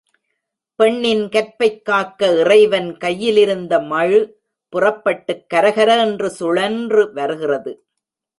பெண்ணின் கற்பைக் காக்க, இறைவன் கையிலிருந்த மழு புறப்பட்டுக் கரகர என்று சுழன்று வருகிறது.